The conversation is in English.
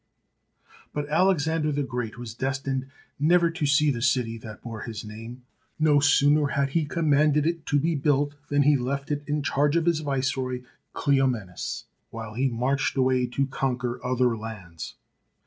But Alexander the Great was destined never to see the city that bore his name. No sooner had he commanded it to be built than he left it in charge of his viceroy Cleomenes, while he marched away to conquer other lands.